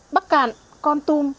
bắc cạn con tum